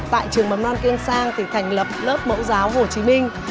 tại trường mầm non kiên sang thì thành lập lớp mẫu giáo hồ chí minh